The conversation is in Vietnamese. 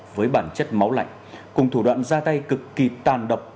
với bản chất máu lạnh cùng thủ đoạn ra tay cực kỳ tàn độc